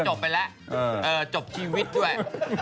จบไปแล้วจบชีวิตด้วย